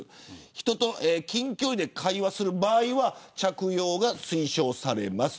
人と近距離で会話する場合は着用が推奨されます。